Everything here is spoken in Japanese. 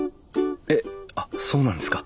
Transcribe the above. えっあっそうなんですか？